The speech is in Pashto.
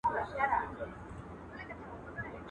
o چي کوچنى و نه ژاړي، مور شيدې نه ورکوي.